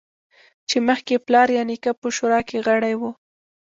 چې مخکې یې پلار یا نیکه په شورا کې غړی و